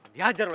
diajar lo ya